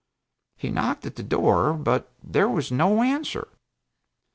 He knocked at her door, but there was no answer.